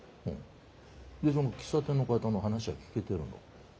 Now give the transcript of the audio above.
でその喫茶店の方の話は聞けてるの？